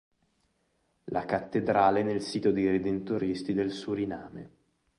La cattedrale nel sito dei redentoristi del Suriname